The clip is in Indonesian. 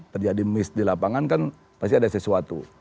terjadi miss di lapangan kan pasti ada sesuatu